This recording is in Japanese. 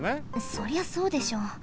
そりゃそうでしょ。